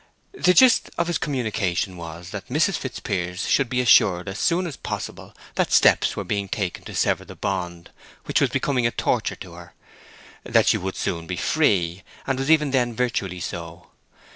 The gist of his communication was that Mrs. Fitzpiers should be assured as soon as possible that steps were being taken to sever the bond which was becoming a torture to her; that she would soon be free, and was even then virtually so.